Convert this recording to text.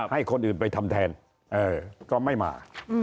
ให้คนอื่นไปทำแทนก็ไม่มา